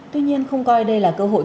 tuy nhiên không coi đây là cơ hội